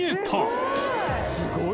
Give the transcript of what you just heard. すごい！